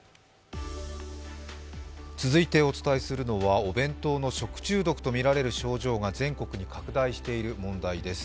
続いてお伝えするのはお弁当の食中毒とみられる症状が全国に拡大している問題です。